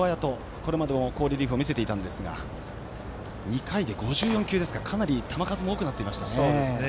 これまでも好リリーフを見せていたんですが２回で５４球ですからかなり球数も多くなっていました。